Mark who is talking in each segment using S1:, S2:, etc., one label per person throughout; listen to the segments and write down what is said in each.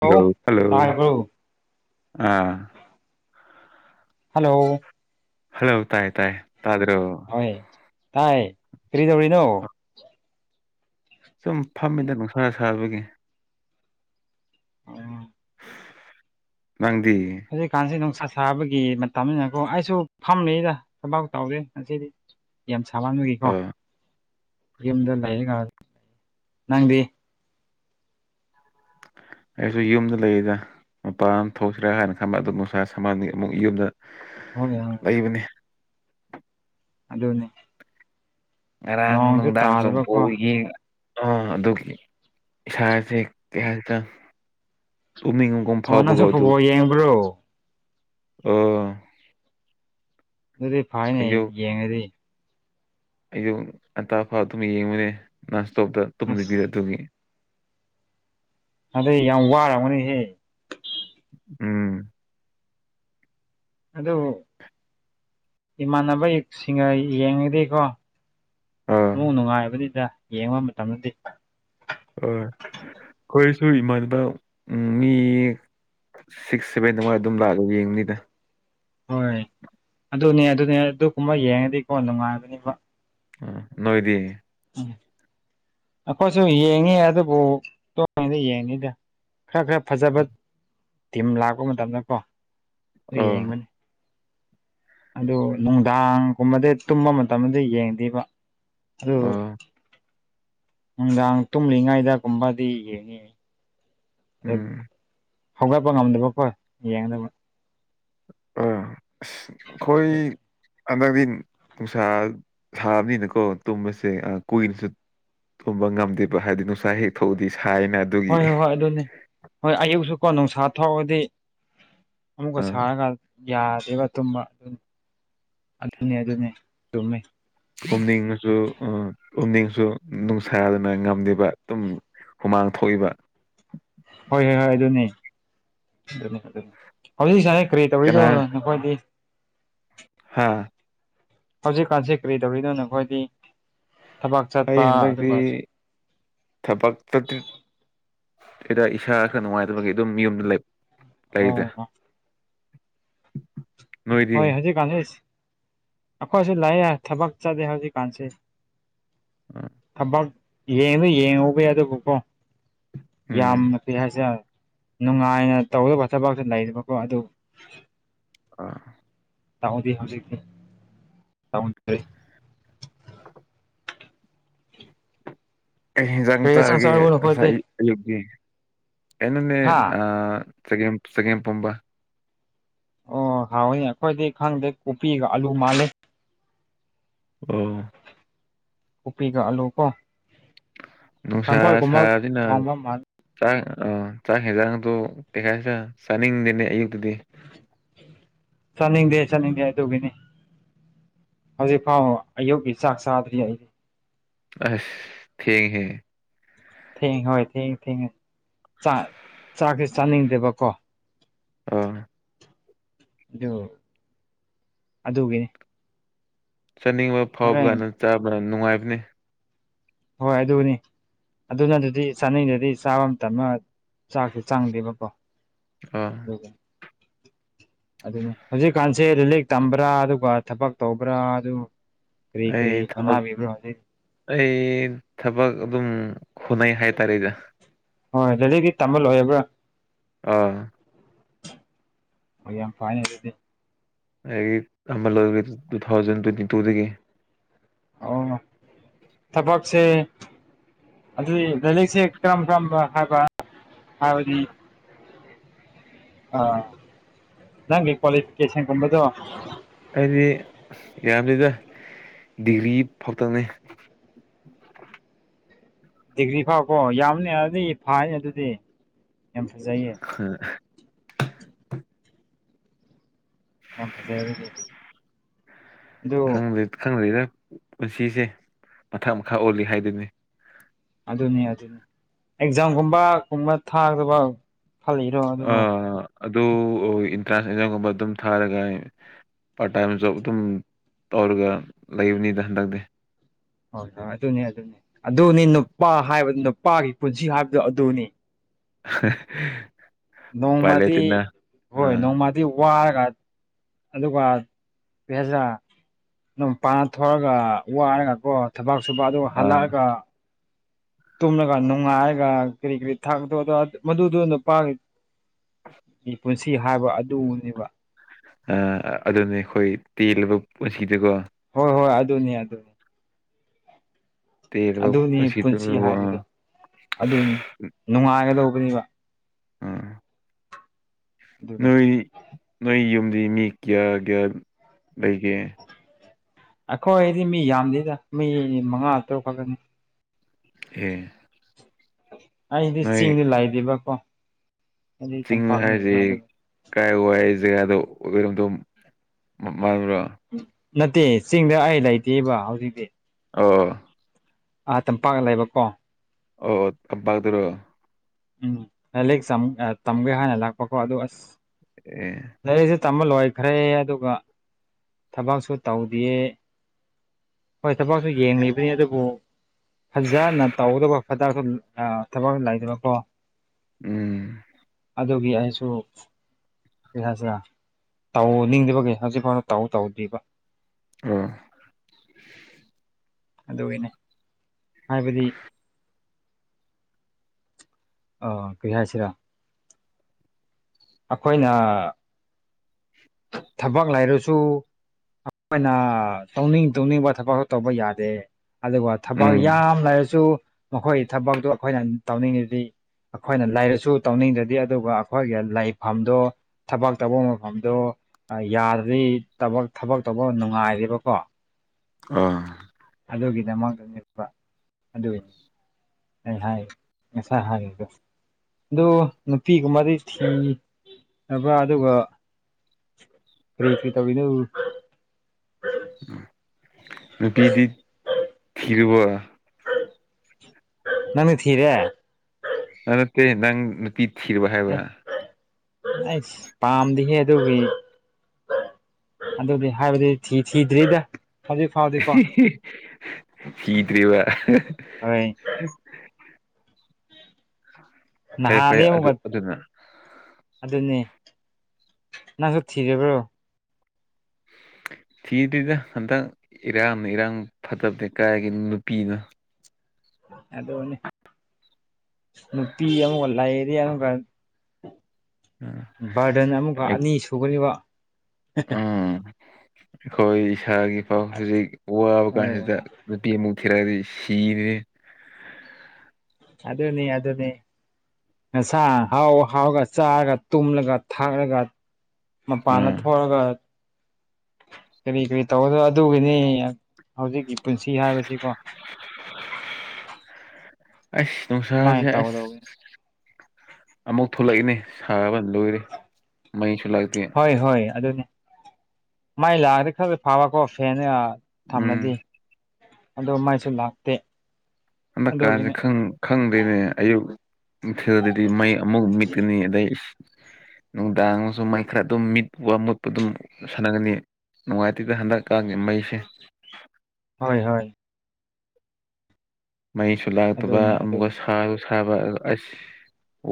S1: Hello hello ꯑꯥ
S2: hello
S1: hello ꯇꯥꯏ ꯇꯥꯏ ꯇꯥꯗ꯭ꯔꯣ
S2: ꯇꯥꯏꯌꯦ ꯇꯥꯏ ꯀꯔꯤꯗꯧꯔꯤꯅꯣ
S1: ꯑ ꯁꯨꯝ ꯐꯝꯃꯤꯗ ꯅꯨꯡꯁꯥ ꯁꯥꯕꯒꯤ
S2: ꯑꯣ
S1: ꯅꯪꯗꯤ
S2: ꯍꯧꯖꯤꯛ ꯀꯥꯟꯁꯤ ꯅꯨꯡꯁꯥ ꯁꯥꯕꯒꯤ ꯃꯇꯝꯅꯤꯅꯀꯣ ꯑꯩꯁꯨ ꯐꯝꯂꯤꯗ ꯊꯥꯕꯛ ꯇꯧꯗꯦ ꯉꯁꯤꯗꯤ ꯌꯥꯝ ꯁꯥꯃꯟꯕꯒꯤꯀꯣ
S1: ꯑꯥ
S2: ꯌꯨꯝꯗ ꯂꯩꯔꯒ ꯅꯪꯗꯤ
S1: ꯑꯩꯁꯨ ꯌꯨꯝꯗ ꯂꯩꯔꯤꯗ ꯃꯄꯥꯟ ꯊꯣꯛꯁꯤꯔ ꯍꯥꯏꯅ ꯈꯟꯕ ꯑꯗꯨ ꯅꯨꯡꯁꯥ ꯁꯥꯃꯟꯕꯒꯤ ꯑꯃꯨꯛ ꯌꯨꯝꯗ
S2: ꯍꯣꯏꯅꯦ
S1: ꯂꯩꯕꯅꯤ
S2: ꯑꯗꯨꯅꯤ
S1: ꯉꯔꯥꯡ
S2: ꯅꯣꯡꯁꯨ
S1: ꯅꯨꯡꯗꯥꯡꯁꯨ
S2: ꯇꯥꯗꯕꯀꯣ
S1: ꯕꯣꯜ ꯌꯦꯡ ꯑꯥ ꯑꯗꯨꯒꯤ ꯏꯁꯥꯥꯁꯦ ꯀꯩ ꯍꯥꯏꯇ ꯇꯨꯝꯅꯤꯡ
S2: ꯑꯣ ꯅꯪꯁꯨ ꯐꯨꯠꯕꯣ ꯌꯦꯡꯕ꯭ꯔꯣ
S1: ꯑꯧ
S2: ꯑꯗꯨꯗꯤ ꯐꯩꯅꯦ ꯌꯦꯡꯉꯗꯤ
S1: ꯑꯩꯁꯨ ꯉꯟꯇꯥ ꯐꯥꯎ ꯑꯗꯨꯝ ꯌꯦꯡꯕꯅꯦ ꯅꯟꯁꯇꯣꯞꯇ
S2: ꯑꯁ
S1: ꯇꯨꯝꯗꯕꯤꯗ ꯑꯗꯨꯒꯤ
S2: ꯑꯗꯩ ꯌꯥꯝ ꯋꯥꯔꯝꯒꯅꯤꯍꯦ
S1: ꯎꯝ
S2: ꯑꯗꯨ ꯏꯃꯥꯟꯅꯕꯁꯤꯡꯒ ꯌꯦꯡꯉꯗꯤ ꯀꯣ
S1: ꯑꯥ
S2: ꯅꯣꯏ ꯅꯨꯡꯉꯥꯏꯕꯅꯤꯗ ꯌꯦꯡꯕ ꯃꯇꯝꯗꯗꯤ
S1: ꯍꯣꯏ ꯑꯩꯈꯣꯏꯁꯨ ꯏꯃꯥꯟꯅꯕ ꯎꯝ ꯃꯤ ꯁꯤꯛꯁ ꯁꯚꯦꯟꯗ ꯑꯗꯨꯃꯥꯏ ꯑꯗꯨꯝ ꯂꯥꯛꯂꯒ ꯌꯦꯡꯕꯅꯤꯗ
S2: ꯍꯣꯏ ꯑꯗꯨꯅꯦ ꯑꯗꯨꯅꯦ ꯑꯗꯨꯒꯨꯝꯕ ꯌꯦꯡꯉꯗꯤ ꯀꯣ ꯅꯨꯡꯉꯥꯏꯕꯅꯤꯕ
S1: ꯑꯝ ꯅꯣꯏꯗꯤ
S2: ꯎꯝ ꯑꯩꯈꯣꯏꯁꯨ ꯌꯦꯡꯉꯤ ꯑꯗꯨꯕꯨ ꯇꯣꯉꯥꯟꯗꯤ ꯌꯦꯡꯗꯦꯗ ꯈꯔ ꯈꯔ ꯐꯖꯕ
S1: ꯑꯣ
S2: ꯇꯤꯝ ꯂꯥꯛꯄ ꯃꯇꯝꯗꯀꯣ [unintelligible] ꯌꯦꯡꯕꯅꯤ ꯑꯗꯨ ꯅꯨꯡꯗꯥꯡꯒꯨꯝꯕꯗ ꯇꯨꯝꯕ ꯃꯇꯝꯗꯗꯤ ꯌꯦꯡꯗꯦꯕ ꯑꯗꯨ
S1: ꯑꯣ
S2: ꯅꯨꯡꯗꯥꯡ ꯇꯨꯝꯂꯤꯉꯩꯗꯒꯨꯝꯕꯗꯤ ꯌꯦꯡꯉꯦ꯫ [unintelligible]
S1: ꯎꯝ
S2: ꯍꯧꯒꯠꯄ ꯉꯝꯗꯕꯀꯣ ꯌꯦꯡꯅꯕ
S1: ꯎꯝ ꯑꯁ
S2: ꯑꯗꯨꯒꯤ
S1: ꯑꯈꯣꯏ [unintelligible] ꯅꯨꯡꯁꯥ ꯁꯥꯕꯅꯤꯅꯀꯣ ꯇꯨꯝꯕꯁꯦ ꯀꯨꯏꯅꯁꯨ ꯍꯨꯝꯕ ꯉꯝꯗꯦꯕ ꯍꯥꯏꯗꯤ ꯅꯨꯡꯁꯥ ꯍꯦꯛ ꯊꯣꯛꯎꯗꯤ ꯁꯥꯏꯑꯦꯅꯦ
S2: ꯍꯣꯏ ꯍꯣꯏ ꯑꯗꯨꯅꯤ ꯍꯣꯏ ꯑꯌꯨꯛꯁꯨ ꯀꯣ ꯅꯨꯡꯁꯥ ꯊꯣꯛꯑꯣꯗꯤ ꯑꯃꯨꯛꯀ
S1: ꯑꯥ
S2: ꯁꯥꯔꯒ ꯌꯥꯗꯦꯕ ꯇꯨꯝꯕ ꯑꯗꯨꯅꯦ ꯑꯗꯨꯅꯦ ꯇꯨꯃꯦ
S1: ꯎꯝꯅꯤꯡꯉꯁꯨ ꯎ ꯎꯝꯅꯤꯡꯁꯨ ꯅꯨꯡꯁꯥꯅ ꯉꯝꯗꯤꯕ ꯗꯨꯝ ꯍꯨꯃꯥꯡ ꯊꯣꯛꯏꯕ
S2: ꯍꯣꯏ ꯍꯣꯏ ꯍꯣꯏ ꯑꯗꯨꯅꯤ ꯑꯗꯨ [unintelligible] ꯍꯧꯖꯤꯛ ꯁꯥꯅ ꯀꯔꯤ ꯇꯧꯔꯤꯅꯣ
S1: ꯀꯅꯥ
S2: ꯑꯈꯣꯏꯗꯤ
S1: ꯍꯥꯥ
S2: ꯍꯧꯖꯤꯛꯀꯥꯟꯁꯤ ꯀꯔꯤ ꯇꯧꯔꯤꯅꯣ ꯅꯈꯣꯏꯗꯤ ꯊꯕꯛ
S1: ꯑꯩ
S2: ꯆꯥꯠꯄ
S1: ꯍꯟꯗꯛꯇꯤ
S2: ꯑꯗꯨꯒ
S1: ꯊꯕꯛ ꯇꯨꯇ꯭ꯔꯤꯠ [unintelligible] ꯏꯁꯥ ꯈꯔ ꯅꯨꯡꯉꯥꯏꯇꯕꯒꯤ ꯑꯗꯨꯝ ꯌꯨꯝꯗ ꯂꯩ ꯂꯩꯗ
S2: ꯑꯣꯍꯣ
S1: ꯅꯣꯏꯗꯤ
S2: ꯍꯣꯏ ꯍꯧꯖꯤꯛꯀꯥꯟꯁꯤ ꯑꯩꯈꯣꯏꯁꯨ ꯂꯥꯏꯌꯦ ꯊꯕꯛ ꯆꯠꯂꯦ ꯍꯧꯖꯤꯛꯀꯥꯟꯁꯤ ꯊꯕꯛ ꯌꯦꯡꯗ ꯌꯦ [unintelligible] ꯑꯗꯨꯕꯨꯀꯣ
S1: ꯎꯝ
S2: ꯌꯥꯝꯅ ꯀꯩ ꯍꯥꯏꯁꯦ ꯅꯨꯡꯉꯥꯏꯅ ꯇꯧꯗꯕ ꯊꯕꯛꯇ ꯂꯩꯔꯤꯕꯀꯣ ꯑꯗꯨ
S1: ꯑ
S2: [unintelligible] ꯍꯧꯖꯤꯇꯤ [unintelligible]
S1: ꯀꯩ ꯍꯦꯟꯖꯥꯡ
S2: ꯀꯔꯤ ꯌꯦꯟꯁꯥꯡ
S1: ꯆꯥꯔꯒꯦ
S2: ꯆꯥꯔꯕꯣ ꯅꯈꯣꯏꯗꯤ
S1: ꯉꯁꯥꯏ ꯑꯌꯨꯛꯇꯤ ꯀꯩꯅꯅꯦ
S2: ꯍꯥ
S1: ꯑꯥ ꯆꯒꯦꯝ ꯆꯒꯦꯝ ꯄꯣꯝꯕ
S2: ꯑꯣ ꯍꯥꯎꯋꯦ ꯑꯩꯈꯣꯏꯗꯤ ꯈꯪꯗꯦ ꯀꯣꯄꯤꯒ ꯑꯂꯨ ꯃꯥꯜꯂꯦ
S1: ꯑꯣ
S2: ꯎꯄꯤꯒ ꯑꯂꯨ ꯀꯣ
S1: ꯅꯨꯡꯁꯥ
S2: ꯀꯥꯡꯁꯣꯏꯒꯨꯝꯕ
S1: ꯁꯥꯗꯤꯅ
S2: ꯊꯣꯡꯕ ꯃꯥꯜꯂꯦ
S1: ꯆꯥꯛ ꯑ ꯆꯥꯛ ꯍꯦꯟꯖꯥꯡꯗꯣ ꯀꯩꯍꯥꯏꯁꯤꯌꯥ ꯆꯥꯅꯤꯡꯗꯦꯅꯦ ꯑꯌꯨꯛꯇꯗꯤ
S2: ꯆꯥꯅꯤꯡꯗꯦ ꯆꯥꯅꯤꯡꯗꯦ ꯑꯗꯨꯒꯤꯅꯤ ꯍꯧꯖꯤꯛꯐꯥꯎ ꯑꯌꯨꯛꯀꯤ ꯆꯥꯛ ꯆꯥꯗ꯭ꯔꯤ ꯑꯩ
S1: ꯑꯁ ꯊꯦꯡꯉ ꯍꯦ
S2: ꯊꯦꯡ ꯍꯣꯏ ꯊꯦꯡꯉꯦ ꯊꯦꯡꯉꯦ ꯆꯥꯛ ꯆꯥꯛꯁꯦ ꯆꯥꯅꯤꯡꯗꯦꯕꯀꯣ
S1: ꯑꯥ
S2: ꯗꯨ ꯑꯗꯨꯒꯤ
S1: ꯆꯥꯅꯤꯡꯕ ꯐꯥꯎꯕ
S2: ꯍꯣꯔꯦꯟ
S1: ꯀꯥꯟꯗ ꯆꯥꯕꯅ ꯅꯨꯡꯉꯥꯏꯕꯅꯤ
S2: ꯍꯣꯏ ꯑꯗꯨꯅꯤ ꯑꯗꯨꯅ ꯑꯗꯨꯗꯤ ꯆꯥꯅꯤꯡꯗꯗꯤ ꯆꯥꯕ ꯃꯇꯝ ꯑꯃ ꯆꯥꯛꯁꯤ ꯆꯪꯗꯦꯕꯀꯣ
S1: ꯑꯥ
S2: [unintelligible] ꯑꯗꯨꯅꯤ ꯍꯧꯖꯤꯛꯀꯥꯟꯁꯦ ꯂꯤꯔꯤꯂꯤꯛ ꯇꯝꯕ꯭ꯔꯥ ꯑꯗꯨꯒ ꯊꯕꯛ ꯇꯧꯕ꯭ꯔꯥ ꯑꯗꯨ ꯀꯔꯤ ꯀꯔꯤ
S1: ꯑꯩ ꯊꯕꯛ
S2: ꯍꯣꯠꯅꯕꯤꯕ꯭ꯔꯣ ꯍꯧꯖꯤꯛ
S1: ꯑꯩ ꯊꯕꯛ ꯑꯗꯨꯝ ꯈꯨꯅꯩ ꯍꯥꯏ ꯇꯥꯔꯦꯗ
S2: ꯍꯣꯏ ꯂꯩꯔꯤꯛꯇꯤ ꯇꯝꯕ ꯂꯣꯏꯕ꯭ꯔꯥ
S1: ꯑꯥ
S2: ꯌꯥꯝ ꯐꯥꯏꯗꯤ
S1: ꯑꯩ ꯑꯃ ꯂꯧꯣꯏꯔꯒ ꯇꯨ ꯊꯥꯎꯖꯟ ꯇ꯭ꯋꯦꯟꯇꯤ ꯇꯨꯗꯒꯤ
S2: ꯑꯣ ꯊꯕꯛꯁꯦ ꯑꯗꯨꯗꯤ ꯂꯥꯏꯔꯤꯛꯁꯦ ꯀꯔꯝ ꯀꯔꯝꯕ ꯍꯥꯏꯕ ꯍꯥꯏꯕꯗꯤ ꯑ ꯅꯪꯒꯤ ꯀ꯭ꯋꯥꯂꯤꯤꯐꯤꯀꯦꯁꯟ ꯀꯨꯝꯕꯗꯣ
S1: ꯑꯩꯗꯤ ꯌꯥꯝꯗꯦꯗ ꯗꯤꯒ꯭ꯔꯤ ꯐꯛꯇꯪꯅꯤ
S2: ꯗꯤꯒ꯭ꯔꯤ ꯐꯥꯀꯣ ꯌꯥꯝꯅꯤ ꯑꯗꯨꯗꯤ ꯐ ꯑꯗꯨꯗꯤ ꯌꯥꯝ ꯐꯖꯩꯌꯦ ꯌꯥꯝ ꯐꯖꯩ ꯑꯗꯨ
S1: ꯈꯪꯅꯔ ꯄꯨꯟꯁꯤꯁꯦ ꯃꯊꯛ ꯃꯈꯥ ꯑꯣꯜꯂꯤ ꯍꯥꯏꯗꯨꯅꯤ
S2: ꯑꯗꯨꯅꯤ ꯑꯗꯨꯅꯤ ꯑꯦꯛꯖꯥꯝꯒꯨꯝꯕ ꯀꯨꯝꯕ ꯊꯥꯒꯗꯕ ꯈꯜꯂꯤꯔꯣ
S1: ꯑ
S2: ꯑꯗꯨꯒ
S1: ꯑꯗꯨ ꯏꯟꯇ꯭ꯔꯥꯟꯁ ꯑꯦꯖꯥꯝꯒꯨꯝꯕ ꯑꯗꯨꯝ ꯊꯥꯔꯒ ꯄꯥꯔꯠ ꯇꯥꯏꯝ ꯖꯣꯕ ꯑꯗꯨꯝ ꯇꯧꯔꯒ ꯂꯩꯕꯅꯤꯗ ꯍꯟꯗꯛꯇꯤ
S2: ꯍꯣꯏ ꯍꯣꯏ ꯑꯗꯨꯅꯤ ꯑꯗꯨꯅꯤ ꯑꯗꯨꯅꯤ ꯅꯨꯄꯥ ꯍꯥꯏꯕ ꯅꯨꯄꯥꯒꯤ ꯄꯨꯟꯁꯤ ꯍꯥꯏꯕꯗꯣ ꯑꯗꯨꯅꯤ
S1: [inaudible] ꯎꯄꯥꯏ
S2: ꯅꯣꯡꯃꯗꯤ
S1: ꯂꯩꯇꯦꯅ
S2: ꯍꯣꯏ
S1: ꯑꯥ
S2: ꯅꯣꯡꯃꯗꯤ ꯋꯥꯔꯒ ꯑꯗꯨꯒ ꯍꯖꯔ ꯅꯨꯄꯥ ꯊꯣꯛꯑꯒ ꯑꯗꯨꯝ ꯄꯥꯟꯅ ꯊꯔꯒ ꯋꯥꯔꯒ ꯀꯣ ꯊꯕꯛ ꯁꯨꯕ ꯑꯗꯨ
S1: ꯑꯥ
S2: ꯍꯜꯂꯛꯑꯒ ꯇꯨꯝꯂꯒ ꯅꯨꯡꯉꯥꯏꯔꯒ ꯀꯔꯤ ꯀꯔꯤ ꯊꯥꯛꯇꯣ ꯃꯗꯨꯗ ꯅꯨꯄꯥꯒꯤ ꯒꯤ ꯄꯨꯟꯁꯤ ꯍꯥꯏꯕ ꯑꯗꯨꯅꯦꯕ
S1: ꯑꯥ ꯑꯗꯨꯅꯦ ꯑꯩꯈꯣꯏ ꯇꯦꯜꯂꯕ ꯄꯨꯟꯁꯤꯗꯒꯣ
S2: ꯍꯣꯏ ꯍꯣꯏ ꯑꯗꯨꯅꯤ ꯑꯗꯨꯅꯤ
S1: ꯇꯦꯜꯂꯕ
S2: ꯑꯗꯨꯅꯤ ꯄꯨꯟꯁꯤ
S1: ꯄꯨꯟꯁꯤꯗꯨꯕꯨ ꯑꯥ
S2: ꯍꯥꯏꯕꯗ ꯑꯗꯨꯅꯤ ꯅꯨꯡꯉꯥꯏꯒꯗꯧꯕꯅꯦꯕ
S1: ꯑꯥ
S2: ꯑꯗꯨꯅꯤ
S1: ꯅꯣꯏ ꯅꯣꯏ ꯌꯨꯝꯗꯤ ꯃꯤ ꯀ꯭ꯌꯥ ꯀ꯭ꯌꯥ ꯂꯩꯒꯦ
S2: ꯑꯩꯈꯣꯏꯗꯤ ꯃꯤ ꯌꯥꯝꯗꯦꯗ ꯃꯤ ꯃꯉꯥ ꯇꯔꯨꯛ ꯈꯛꯒꯅꯤ
S1: ꯑꯦ
S2: ꯑꯩꯗꯤ
S1: ꯅꯣꯏ
S2: ꯆꯤꯡꯗꯤ ꯂꯩꯥꯛꯗꯦꯕꯀꯣ
S1: ꯆꯤꯡꯉꯨ ꯍꯥꯏꯁ ꯀꯥꯏ ꯋꯥ ꯑꯩ ꯖꯒꯥꯗꯣ ꯑꯣꯏꯔꯣꯝꯗꯣ꯭ꯔꯣ
S2: ꯅꯠꯇꯦ ꯆꯤꯡꯗ ꯑꯩ ꯂꯩꯇꯦꯕ ꯍꯧꯖꯤꯛꯇꯤ
S1: ꯑꯣ
S2: ꯑꯥ ꯇꯝꯄꯥꯛꯅ ꯂꯩꯕꯀꯣ
S1: ꯑꯣ ꯇꯝꯄꯥꯛꯇꯔꯣ
S2: ꯎꯝ ꯍꯂꯦꯛ ꯇꯝꯒꯦ ꯍꯥꯏꯅ ꯂꯥꯛꯄꯀꯣ ꯑꯗꯨ ꯑꯁ
S1: ꯑꯦ
S2: ꯂꯥꯏꯔꯤꯛꯁꯨ ꯇꯝꯕ ꯂꯣꯏꯈ꯭ꯔꯦ ꯑꯗꯨꯒ ꯊꯕꯛꯁꯨ ꯇꯧꯗꯌꯦ ꯍꯣꯏ ꯊꯕꯛꯁꯨ ꯌꯦꯡꯂꯤꯕꯅꯤ ꯑꯗꯨꯕꯨ ꯐꯖꯅ ꯇꯧꯗꯕ ꯐꯗꯥꯛꯁꯨ ꯊꯕꯛꯁꯨ ꯂꯩꯗꯕ ꯀꯣ
S1: ꯎꯝ
S2: ꯑꯗꯨꯒꯤ ꯑꯩꯁꯨ ꯀꯩ ꯍꯥꯏꯁꯤꯔ ꯇꯧ ꯅꯤꯡꯗꯕꯒꯦ ꯍꯧꯖꯤꯛꯐꯥꯎꯗ ꯇꯧ ꯇꯧꯗ꯭ꯔꯤꯕ
S1: ꯑꯣ
S2: ꯑꯗꯨꯒꯤꯅꯦ ꯍꯥꯏꯕꯗꯤ ꯑꯥ ꯀꯩ ꯍꯥꯏꯁꯤꯔꯥ ꯑꯩꯈꯣꯏꯅ ꯊꯕꯛ ꯂꯩꯥꯔꯁꯨ ꯑꯩꯈꯣꯏꯅ ꯇꯧꯅꯤꯡ ꯇꯧꯅꯤꯡꯕ ꯊꯕꯛ ꯇꯧꯕ ꯌꯥꯗꯦ ꯑꯗꯨꯒ ꯊꯕꯛ
S1: ꯎꯝ
S2: ꯌꯥꯝ ꯂꯩꯔꯁꯨ ꯃꯈꯣꯏ ꯊꯕꯛꯇꯨ ꯑꯩꯈꯣꯏꯅ ꯇꯧꯅꯤꯡꯉꯤꯗꯤ ꯑꯩꯈꯣꯏꯅ ꯂꯩꯔꯁꯨ ꯇꯧꯅꯤꯡꯗ꯭ꯔꯗꯤ ꯑꯗꯨꯒ ꯑꯩꯈꯣꯏꯒꯤ ꯂꯩꯥꯐꯝꯗꯣ ꯊꯕꯛ ꯇꯧꯕ ꯃꯐꯝꯗꯣ ꯌꯥꯗ꯭ꯔꯗꯤ ꯊꯕꯛ ꯊꯕꯛ ꯇꯧꯕ ꯅꯨꯡꯉꯥꯏꯔꯦꯕꯀꯣ
S1: ꯑꯥ
S2: ꯑꯗꯨꯒꯤꯗꯃꯛꯇ ꯅ‌ꯦꯛꯄ ꯑꯗꯨꯒꯤꯅꯤ ꯑꯩ ꯍꯥꯏ ꯉꯁꯥꯏ ꯍꯥꯏꯔꯤꯗ‌ꯣ ꯑꯗꯨ ꯅꯨꯄꯤꯒꯨꯝꯕꯗꯤ ꯊꯤ ꯅꯕ ꯑꯗꯨꯒ ꯀ꯭ꯔꯤ ꯀ꯭ꯔꯤ ꯇꯧꯔꯤꯅ‌ꯣ
S1: ꯅꯨꯄꯤꯗꯤ ꯊꯤꯔꯕ
S2: ꯅꯪꯗꯤ ꯊꯤꯔꯦ
S1: ꯑꯗꯨ ꯅꯠꯇꯦ ꯅꯪ ꯅꯨꯄꯤ ꯊꯤꯔꯕ ꯍꯥꯏꯕ
S2: ꯍꯩꯁ ꯄꯥꯝꯗꯤꯍꯦ ꯑꯗꯨꯒꯤ ꯑꯗꯨꯗꯤ ꯍꯥꯏꯕꯗꯤ ꯊꯤ ꯊꯤꯗ꯭ꯔꯤꯗ ꯍꯧꯖꯤꯛ ꯐꯥꯎꯗꯤꯀꯣ
S1: ꯊꯤꯗ꯭ꯔꯦꯕ [inaudible]
S2: ꯍꯣꯏ ꯅꯍꯥꯟꯗꯩ ꯑꯗꯨꯒ ꯑꯗꯨꯅꯦ ꯅꯪꯁꯨ ꯊꯤꯔꯕ꯭ꯔꯣ
S1: ꯊꯤꯗ‌ꯦꯗ ꯍꯟꯗꯛ ꯏꯔꯥꯡꯅ ꯏꯔꯥꯡ ꯐꯠꯇꯕꯅꯦ ꯀꯥꯏꯗꯒꯤ ꯅꯨꯄꯤꯅꯣ
S2: ꯑꯗꯨꯅꯤ ꯅꯨꯄꯤ ꯑꯃꯕꯨ ꯂꯩꯔꯗꯤ ꯑꯗꯨꯒ
S1: ꯎꯝ
S2: ꯕꯥꯔꯗꯟ ꯑꯃꯒ ꯑꯅꯤ ꯁꯨꯕꯒꯤ‌ ꯋꯥ
S1: ꯎꯝ ꯑꯩꯈꯣꯏ ꯏꯁꯥꯒꯤ ꯐꯥꯎ ꯍꯧꯖꯤꯛ ꯋꯥꯕ
S2: ꯍꯣꯏ
S1: ꯀꯥꯟꯁꯤꯗ
S2: ꯍꯣꯏ
S1: ꯅꯨꯄꯤꯃꯨꯛ ꯊꯤꯔꯛꯑꯗꯤ ꯁꯤꯔ‌ꯦꯍ‌ꯦ
S2: ꯑꯗꯨꯅꯦ ꯑꯗꯨꯅꯦ ꯅꯁꯥ ꯍꯥꯎ ꯍꯥꯎꯒ ꯆꯥꯔꯒ ꯇꯨꯝꯂꯒ ꯊꯥꯛꯂꯒ ꯃꯄꯥꯟꯗ
S1: ꯎꯝ
S2: ꯊꯣꯛꯑꯒ ꯀꯔꯤ ꯀꯔꯤ ꯇꯧꯔꯒ ꯑꯗꯨꯒꯤꯅꯤ ꯍꯧꯖꯤꯛꯀꯤ ꯄꯨꯟꯁꯤ ꯍꯥꯏꯕꯁꯤꯀꯣ
S1: ꯑꯩꯁ ꯅꯨꯡꯁꯥꯁꯦ
S2: ꯁꯨꯃꯥꯏꯅ
S1: ꯑꯁ
S2: ꯇꯧꯒꯗꯧꯕꯅꯤ
S1: ꯑꯃꯨꯛ ꯊꯣꯛꯂꯛꯏꯅꯦ ꯁꯥꯕ ꯂꯣꯏꯔꯦ ꯃꯩꯁꯨ ꯂꯥꯛꯇꯦ
S2: ꯍꯣꯏ ꯍꯣꯏ ꯑꯗꯨꯅꯤ ꯃꯩ ꯂꯥꯛꯑꯗꯤ ꯈꯔꯗꯤ ꯐꯥꯕꯀꯣ ꯐꯦꯟꯅ‌ꯦ ꯊꯝꯃꯗꯤ
S1: ꯎꯝ
S2: ꯑꯗꯣ ꯃꯩꯁꯨ ꯂꯥꯛꯇꯦ
S1: ꯍꯟꯗꯛꯀꯥꯁꯦ
S2: ꯑꯗꯨꯒꯤꯅꯤ
S1: ꯈꯪ ꯈꯪꯗꯦꯅꯦ ꯑꯌꯨꯛ ꯅꯨꯡꯊꯤꯜꯗꯗꯤ ꯃꯩ ꯑꯃꯨꯛ ꯃꯤꯠꯀꯅꯤ ꯑꯗꯩ ꯑꯁ ꯅꯨꯡꯗꯥꯡꯁꯨ ꯃꯩ ꯈꯔ ꯑꯗꯨꯝ ꯃꯤꯠꯄ ꯃꯨꯠꯄ ꯑꯗꯨꯝ ꯁꯥꯟꯅꯒꯅꯤ ꯅꯨꯡꯉꯥꯏꯇꯦꯗ ꯍꯟꯗꯛ ꯀꯥꯟꯒꯤ ꯃꯩꯁꯦ
S2: ꯍꯣꯏ ꯍꯣꯏ
S1: ꯃꯩꯁꯨ ꯂꯥꯛꯇꯕ
S2: ꯑꯗꯨꯅꯤ
S1: ꯑꯃꯨꯛꯀ
S2: ꯑꯗꯨꯅꯤ
S1: ꯁꯥꯁꯨ ꯁꯥꯕ ꯑꯗꯨ ꯑꯁ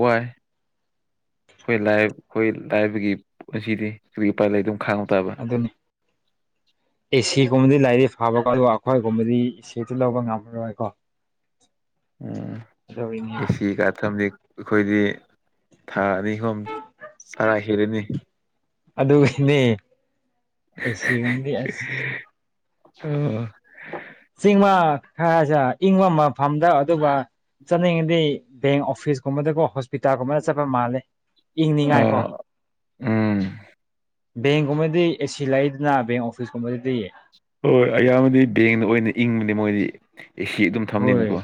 S1: ꯋꯥꯏ ꯑꯩꯈꯣꯏ ꯂꯥꯏꯔ ꯑꯩꯈꯣꯏ ꯂꯥꯏꯕꯒꯤ ꯄꯨꯟꯁꯤꯗꯤ ꯎꯄꯥꯏ ꯂꯩꯗꯧ
S2: ꯑꯗꯨꯅꯤ ꯑꯦꯁꯤꯒꯨꯝꯕꯗꯤ ꯂꯥꯏꯔꯤꯛ ꯐꯕꯀꯣ ꯑꯗꯨꯒ ꯑꯩꯈꯣꯏꯒꯨꯝꯕꯗꯤ ꯑꯦꯁꯤꯗꯨ ꯂꯧꯕ ꯉꯝꯃꯔꯣꯏ ꯀ‌ꯣ
S1: ꯎꯝ
S2: ꯑꯗꯨꯒꯤꯅꯤ
S1: ꯑꯦꯁꯤ ꯀꯥ ꯊꯝꯕꯤ ꯑꯩꯈꯣꯏꯗꯤ ꯊꯥ ꯑꯅꯤ ꯑꯍꯨꯝ ꯆꯔꯥ ꯍꯦꯜꯂꯅꯤ
S2: ꯑꯗꯨꯒꯤꯅꯦ ꯑꯦꯁꯤꯒꯨꯝꯕꯗꯤ ꯑꯁ
S1: ꯑꯣ
S2: ꯆꯤꯡꯃ ꯈꯔꯁꯥ ꯏꯪꯕ ꯃꯐꯝꯗ ꯑꯗꯨꯒ ꯆꯠꯅꯤꯡꯉꯗꯤ ꯕꯦꯡ ꯑꯣꯐꯤꯁꯀꯨꯝꯕꯗꯀꯣ ꯍꯣꯁꯄꯤꯇꯥꯜꯒꯨꯝꯕꯗ ꯆꯠꯄ ꯃꯥꯜꯂꯦ
S1: ꯑ
S2: ꯏꯪꯅꯤꯡꯉꯥꯏꯀꯣ
S1: ꯎꯝ
S2: ꯕꯦꯡꯀꯨꯝꯕꯗꯤ ꯑꯦꯁꯤ ꯂꯩꯗꯅ ꯕꯦꯡ ꯑꯣꯐꯤꯁꯀꯨꯝꯕꯗꯗꯤ
S1: ꯍꯣꯏ ꯑꯌꯥꯝꯕꯗꯤ ꯕꯦꯡꯅ ꯑꯣꯏꯅ ꯏꯪꯕꯅꯦ ꯃꯣꯏꯗꯤ ꯑꯦꯁꯤ ꯑꯗꯨꯝ ꯊꯝꯅꯤꯅꯀꯣ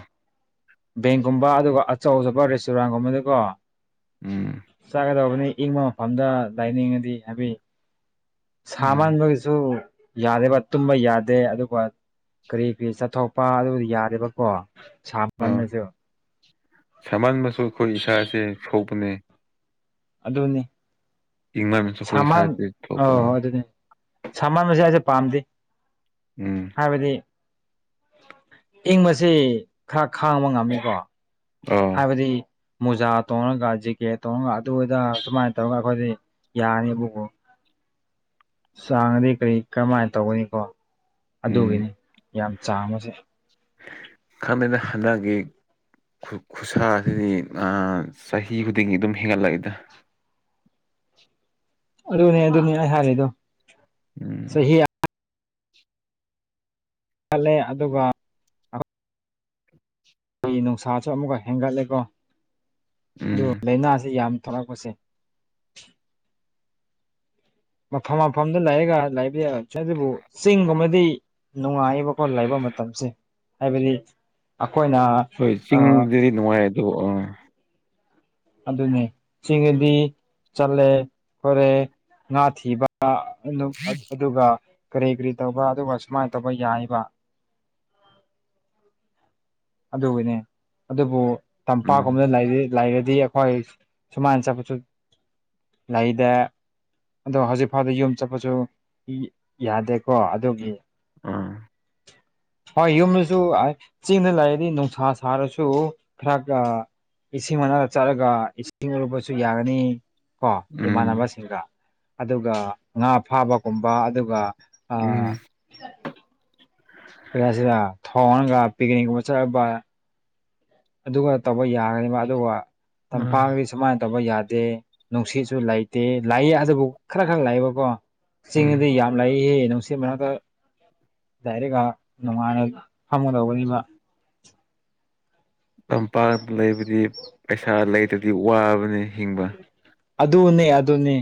S2: ꯕꯦꯡꯀꯨꯝꯕ ꯑꯗꯨꯒ ꯑꯆꯧꯕ ꯔꯦꯁꯇꯨꯔꯥꯟꯒꯨꯝꯕꯗꯀꯣ
S1: ꯎꯝ
S2: ꯆꯥꯒꯗꯧꯕꯅꯤ ꯏꯪꯕ ꯃꯐꯝꯗ ꯂꯥꯏꯅꯤꯡꯉꯗꯤ ꯍꯥꯏꯕꯤ ꯁꯥ
S1: ꯎꯝ
S2: ꯃꯥꯟꯕꯒꯤꯁꯨ ꯌꯥꯗꯦꯕ ꯇꯨꯝꯕ ꯌꯥꯗꯦ ꯑꯗꯨꯒ ꯀꯔꯤ ꯀꯔꯤ ꯆꯠꯊꯣꯛꯄ ꯑꯗꯨ ꯌꯥꯗꯦꯕꯀꯣ ꯁꯥꯃꯜꯂꯁꯨ
S1: ꯁꯃꯟꯕꯁꯨ ꯑꯩꯈꯣꯏ ꯏꯁꯥꯁꯦ ꯁꯣꯛꯄꯅꯦ
S2: ꯑꯗꯨꯅꯤ
S1: ꯏꯪꯃꯟꯕꯁꯨ ꯑꯩꯈꯣꯏ
S2: ꯁꯃꯟ
S1: ꯏꯁꯥꯁꯦ ꯁꯣꯛꯄ
S2: ꯑꯣ ꯑꯗꯨꯅꯤ ꯁꯥꯃꯟꯕꯁꯦ ꯑꯩꯁꯦ ꯄꯥꯝꯗꯦ
S1: ꯎꯝ
S2: ꯍꯥꯏꯕꯗꯤ ꯏꯪꯕꯁꯤ ꯈꯔ ꯈꯥꯡꯕ ꯉꯝꯃꯤꯀꯣ
S1: ꯑꯣ
S2: ꯑꯩꯈꯣꯏꯗꯤ ꯃꯨꯖꯥ ꯇꯣꯡꯔꯒ ꯖꯦꯀꯦꯠ ꯇꯣꯡꯔꯒ ꯑꯗꯨ ꯑꯗ ꯁꯨꯃꯥꯏ ꯇꯧꯔꯒ ꯑꯩꯈꯣꯏꯗꯤ ꯌꯥꯅꯦꯕꯀꯣ ꯆꯥꯡꯉꯗꯤ ꯀꯔꯤ ꯀꯔꯝꯃꯥꯏ ꯇꯧꯒꯅꯤꯀꯣ
S1: ꯎꯝ
S2: ꯑꯗꯨꯒꯤꯅꯤ ꯌꯥꯝ ꯆꯥꯡꯕꯁꯦ
S1: ꯈꯪꯗꯦꯗ ꯍꯟꯗꯛꯀꯤ ꯈꯨ ꯈꯨꯠꯁꯥꯁꯤꯗꯤ ꯑ ꯆꯍꯤ ꯈꯨꯗꯤꯡꯒꯤ ꯑꯗꯨꯝ ꯍꯦꯟꯒꯠꯂꯛꯏꯗ
S2: ꯑꯗꯨꯅꯦ ꯑꯗꯨꯅꯦ ꯑꯩ ꯍꯥꯏꯔꯤꯗꯣ
S1: ꯎꯝ
S2: ꯆꯍꯤ ꯈꯠꯂꯦ ꯑꯗꯨꯒ ꯑꯩ ꯅꯨꯡꯁꯥꯁꯨ ꯑꯃꯨꯛꯀ ꯍꯦꯟꯒꯠꯂꯦꯀꯣ ꯑꯗꯨ
S1: ꯎꯝ
S2: ꯂꯥꯏꯅꯥꯁꯤ ꯌꯥꯝ ꯊꯣꯛꯂꯛꯄꯁꯦ ꯃꯐꯝ ꯃꯐꯝꯗ ꯂꯩꯔꯒ ꯂꯩꯗꯤ ꯑꯗꯨꯕꯨ ꯆꯤꯡꯒꯨꯝꯕꯗꯤ ꯅꯨꯡꯉꯥꯏꯕꯀꯣ ꯂꯩꯕ ꯃꯇꯝꯁꯦ ꯍꯥꯏꯕꯗꯤ ꯑꯈꯣꯏꯅ
S1: ꯍꯣꯏ ꯆꯤꯡꯖꯤꯗꯤ ꯅꯨꯡꯉꯥꯏ ꯑꯗꯨ ꯑꯥ
S2: ꯑꯗꯨꯅꯦ ꯆꯤꯡꯗꯗꯤ ꯆꯠꯂꯦ ꯈꯣꯠꯂꯦ ꯉꯥ ꯊꯤꯕ ꯕ ꯑꯗꯨꯝ ꯑꯗꯨꯒ ꯀꯔꯤ ꯀꯔꯤ ꯇꯧꯕ ꯑꯗꯨꯒ ꯁꯨꯃꯥꯏꯅ ꯇꯧꯕ ꯌꯥꯏꯕ ꯑꯗꯨꯒꯤꯅꯦ ꯑꯗꯨꯕꯨ
S1: ꯎꯝ
S2: ꯇꯝꯄꯥꯛꯀꯨꯝꯕꯗ ꯂꯩꯔꯤ ꯂꯩꯔꯗꯤ ꯑꯩꯈꯣꯏ ꯁꯨꯃꯥꯏ ꯆꯠꯄꯁꯨ ꯂꯩꯗ ꯑꯗꯣ ꯍꯧꯖꯤꯛ ꯐꯥꯎꯗꯤ ꯌꯨꯝ ꯆꯠꯄꯁꯨ ꯌꯥꯗꯦꯀꯣ ꯑꯗꯨꯒꯤ
S1: ꯑꯥ
S2: ꯍꯣꯏ ꯌꯨꯝꯗꯁꯨ ꯆꯤꯡꯗ ꯂꯩꯔꯗꯤ ꯅꯨꯡꯁꯥ ꯁꯥꯔꯁꯨ ꯈꯔ ꯈꯔ ꯏꯁꯤꯡ ꯃꯅꯨꯡꯗ ꯆꯠꯂꯒ ꯏꯁꯤꯡ ꯎꯔꯨꯞꯄꯁꯨ ꯌꯥꯔꯅꯤ ꯀꯣ
S1: ꯎꯝ
S2: ꯏꯃꯥꯟꯅꯕꯁꯤꯡꯒ ꯑꯗꯨꯒ ꯉꯥ ꯐꯥꯕꯒꯨꯝꯕ ꯑꯗꯨꯒ
S1: ꯎꯝ
S2: ꯀꯔꯤ ꯍꯥꯏꯁꯤꯔ ꯊꯣꯡꯉꯒ ꯄꯤꯀꯅꯤꯛꯀꯨꯝꯕ ꯆꯠꯕ ꯑꯗꯨꯒ ꯇꯧꯕ ꯌꯥꯒꯅꯤꯕ ꯑꯗꯨꯒ ꯇꯝꯄꯥꯛ
S1: ꯑꯥ
S2: ꯁꯨꯃꯥꯏ ꯇꯧꯕ ꯌꯥꯗꯦ ꯅꯨꯡꯁꯤꯠꯁꯨ ꯂꯩꯇꯦ ꯂꯥꯛꯏ ꯑꯗꯨꯕꯨ ꯈꯔ ꯈꯔ ꯂꯩꯕꯀꯣ
S1: ꯎꯝ
S2: ꯆꯤꯡꯗꯗꯤ ꯌꯥꯝ ꯂꯩꯌꯦ ꯅꯨꯡꯁꯤꯠ ꯃꯔꯛꯇ ꯂꯩꯔꯒ ꯅꯨꯡꯉꯥꯏꯅ ꯐꯝꯒꯗꯧꯕꯅꯤꯕ
S1: ꯇꯝꯄꯥꯛꯇ ꯂꯩꯕꯗꯤ ꯄꯩꯁꯥ ꯂꯩꯇ꯭ꯔꯗꯤ ꯋꯥꯕꯅꯦ ꯍꯤꯡꯕ
S2: ꯑꯗꯨꯅꯦ ꯑꯗꯨꯅꯤ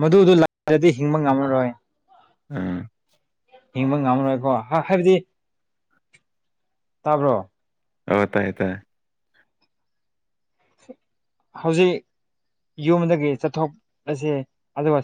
S2: ꯃꯗꯨꯗꯨ ꯂꯥꯜꯂꯗꯤ ꯍꯤꯡꯕ ꯉꯝꯃꯔꯣꯏ
S1: ꯎꯝ
S2: ꯍꯤꯡꯕ ꯉꯝꯃꯔꯣꯏꯀꯣ ꯍꯥꯏꯕꯗꯤ ꯇꯥꯕ꯭ꯔꯣ
S1: ꯍꯥꯏꯌ‌ꯣ ꯇꯥꯏꯌ‌ꯦ ꯇꯥꯏ
S2: ꯍꯧꯖꯤꯛ ꯌꯨꯝꯗꯒꯤ ꯆꯠꯊꯣꯛ ꯑꯖ‌ꯦ ꯑꯗꯨꯒ